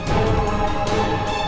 jembatan yang banyak